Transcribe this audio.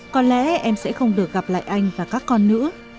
có lẽ em sẽ không được gặp lại anh và các con nữa